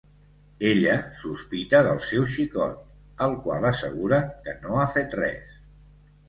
Ella sospita del seu xicot, el qual assegura que no ha fet res.